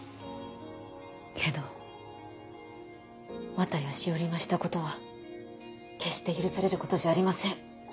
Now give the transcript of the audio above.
けど綿谷詩織がしたことは決して許されることじゃありません。